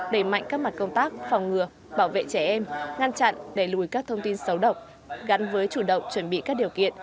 đẩy mạnh các mặt công tác phòng ngừa bảo vệ trẻ em ngăn chặn đẩy lùi các thông tin xấu độc gắn với chủ động chuẩn bị các điều kiện